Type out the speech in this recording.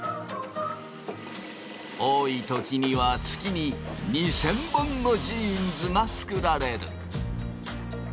多い時には月に２，０００本のジーンズが作られる。